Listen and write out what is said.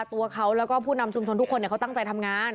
ตัวเขาแล้วก็ผู้นำชุมชนทุกคนเขาตั้งใจทำงาน